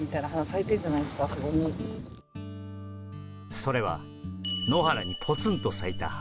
それは野原にぽつんと咲いた花。